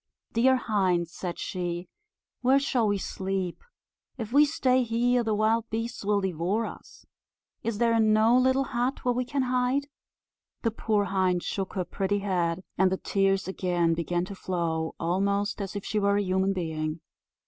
"Dear hind," said she, "where shall we sleep? If we stay here the wild beasts will devour us; is there no little hut where we can hide?" The poor hind shook her pretty head, and the tears again began to flow, almost as if she were a human being.